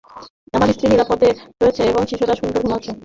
আমার স্ত্রী নিরাপদে রয়েছে এবং শিশুরা সুন্দর ঘুমোচ্ছে।